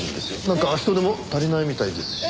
なんか人手も足りないみたいですし。